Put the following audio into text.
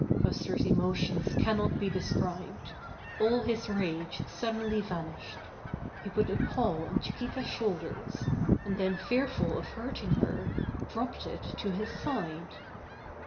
Buster's emotions cannot be described. All his rage suddenly vanished. He put a paw on Chiquita's shoulders, and then fearful of hurting her, dropped it to his side.